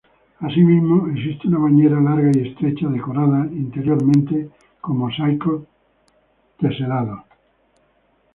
Asimismo, existe una bañera larga y estrecha, decorada interiormente con mosaico teselado.